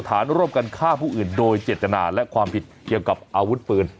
ฐานร่วมกันฆ่าผู้อื่นโดยเจตนาและความผิดเกี่ยวกับอาวุธปืน